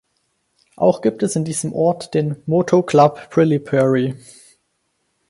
Auch gibt es in diesem Ort den "Moto Club Brilli Peri".